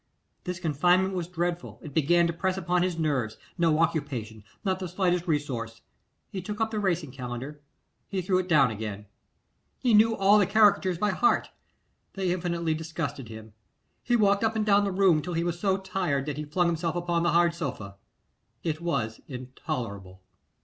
This confinement was dreadful; it began to press upon his nerves. No occupation, not the slightest resource. He took up the Racing Calendar, he threw it down again. He knew all the caricatures by heart, they infinitely disgusted him. He walked up and down the room till he was so tired that he flung himself upon the hard sofa. It was intolerable.